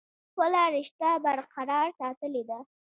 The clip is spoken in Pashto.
خپله رشته برقرار ساتلي ده ۔